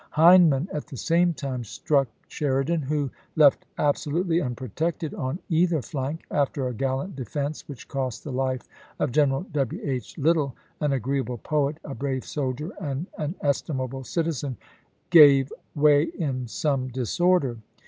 Hindman at the same time struck Sheridan who, left absolutely unprotected on either flank — after a gallant defense which cost the life of General W. H. Lytle, an agreeable poet, a brave soldier, and an estimable citizen — gave way in some disorder.